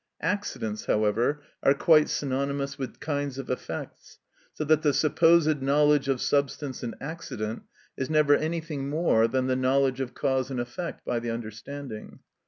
Accidents, however, are quite synonymous with kinds of effects, so that the supposed knowledge of substance and accident is never anything more than the knowledge of cause and effect by the understanding.